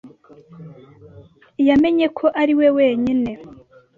Yamenye ko ari wenyine.